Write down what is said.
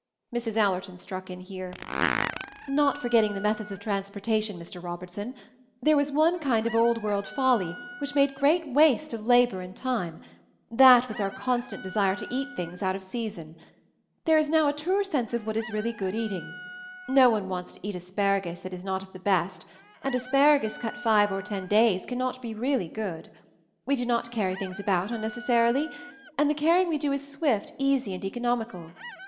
Mrs. Allerton struck in here, "Not for getting the methods of transportation, Mr. Robertson. There was one kind of old world folly which made great waste of labor 134 MOVING THE MOUNTAIN and time; that was our constant desire to eat things out of season. There is now a truer sense of what is really good eating; no one wants to eat asparagus that is not of the best, and asparagus cut five or ten days cannot be really good. We do not carry things about unnecessarily; and the carry ing we do is swift, easy and economical.